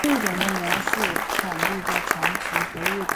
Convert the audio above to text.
该物种的模式产地在长崎和日本。